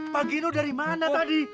pak gino dari mana tadi